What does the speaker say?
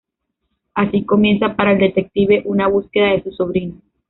Así comienza para el detective una búsqueda de su sobrino.